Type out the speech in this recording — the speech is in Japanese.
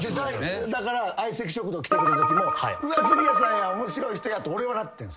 だから『相席食堂』来てくれたときもうわっ杉谷さんや面白い人や！って俺は。